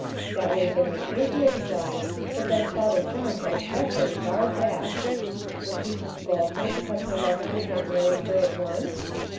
That would have been the easiest line, but then Father John had especially barred that! Was he to scold her because her lover would not marry her at once?